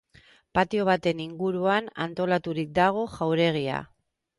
Patio baten inguruan antolaturik dago jauregia.